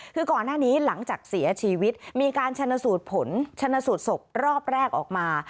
คือก่อนหน้านี้หลังจากเสียชีวิตมีการชนสูตรผลชนสูตรศพรอบแรกออกมา